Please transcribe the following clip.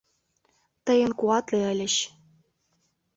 Тый эн куатле ыльыч!